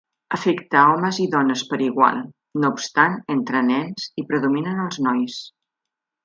Afecta a homes i dones per igual; no obstant, entre nens, hi predominen els nois.